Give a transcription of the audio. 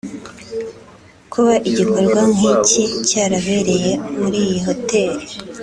Kuba igikorwa nk’iki cyarabereye muri iyi hotel